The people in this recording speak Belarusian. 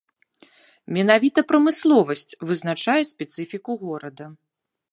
Менавіта прамысловасць вызначае спецыфіку горада.